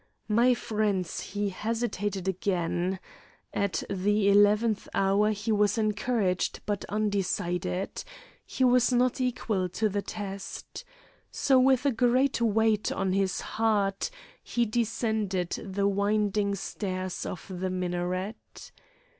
My friends, he hesitated again; at the eleventh hour he was encouraged, but undecided he was not equal to the test. So, with a great weight on his heart, he descended the winding stairs of the minaret.